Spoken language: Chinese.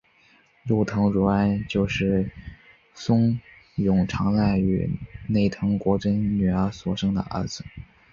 内藤如安就是松永长赖与内藤国贞的女儿所生的儿子。